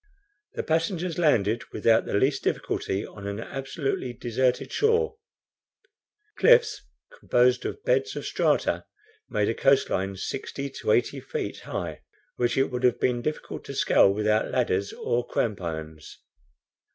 The passengers landed without the least difficulty on an absolutely desert shore. Cliffs composed of beds of strata made a coast line sixty to eighty feet high, which it would have been difficult to scale without ladders or cramp irons.